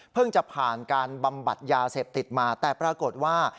จะผ่านการบำบัดยาเสพติดมาแต่ปรากฏว่า